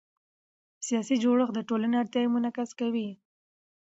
سیاسي جوړښت د ټولنې اړتیاوې منعکسوي